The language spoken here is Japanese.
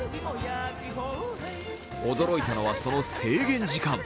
驚いたのは、その制限時間。